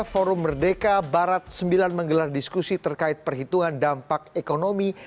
forum merdeka barat sembilan menggelar diskusi terkait perhitungan dampak ekonomi